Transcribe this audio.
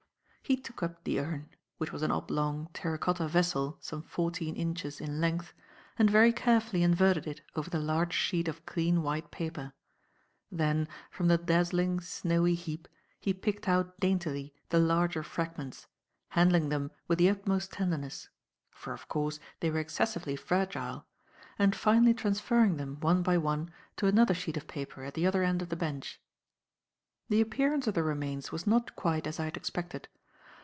He took up the urn which was an oblong, terracotta vessel some fourteen inches in length and very carefully inverted it over the large sheet of clean white paper. Then, from the dazzling, snowy heap, he picked out daintily the larger fragments handling them with the utmost tenderness for, of course, they were excessively fragile and finally transferring them, one by one, to another sheet of paper at the other end of the bench. The appearance of the remains was not quite as I had expected.